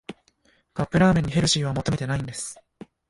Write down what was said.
カップラーメンにヘルシーは求めてないんです